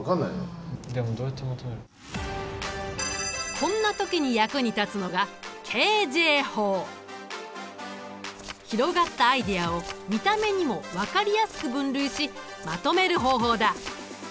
こんな時に役に立つのが広がったアイデアを見た目にも分かりやすく分類しまとめる方法だ。